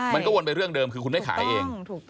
วนไปเรื่องเดิมคือคุณไม่ขายเอง